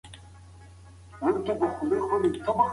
د کوچیانو د ژوند ملاتړ د دولت دنده ده.